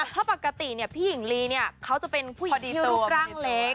เพราะปกติพี่หญิงลีเนี่ยเขาจะเป็นผู้หญิงที่รูปร่างเล็ก